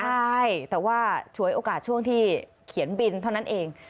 ใช่แต่ว่าฉวยโอกาสช่วงที่เขียนบินเท่านั้นเอง